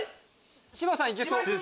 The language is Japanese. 芝さんいけそう。